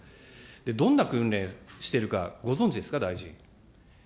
どんな訓練してるか、ご存じですか、大臣。